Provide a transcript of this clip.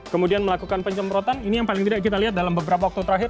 kemudian melakukan penyemprotan ini yang paling tidak kita lihat dalam beberapa waktu terakhir